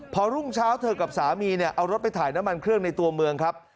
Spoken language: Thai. พอรุ่งเช้าเธอกับสามีเนี่ยเอารถไปถ่ายน้ำมันเครื่องในตัวเมืองครับ